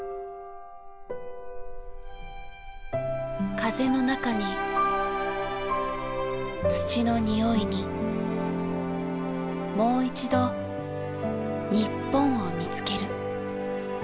風の中に土の匂いにもういちど日本を見つける。